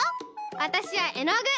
わたしはえのぐ！